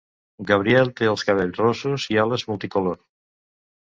Gabriel té els cabells rossos i ales multicolor.